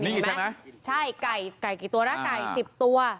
นี่กี่ชั้นนะใช่ไก่กี่ตัวนะไก่๑๐ตัว